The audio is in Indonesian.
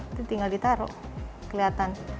itu tinggal ditaruh kelihatan